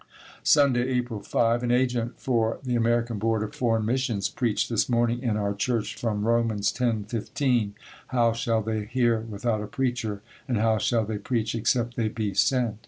Sunday, April 5. An agent for the American Board of Foreign Missions preached this morning in our church from Romans 10: 15: "How shall they hear without a preacher and how shall they preach except they be sent."